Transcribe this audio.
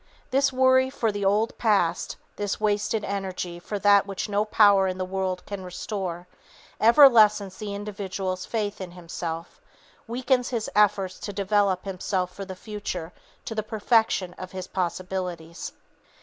This worry for the old past, this wasted energy, for that which no power in the world can restore, ever lessens the individual's faith in himself, weakens his efforts to develop himself for the future to the perfection of his possibilities.